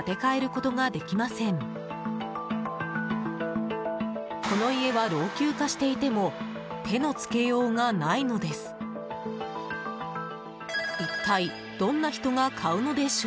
この家は老朽化していても手の付けようがないのです。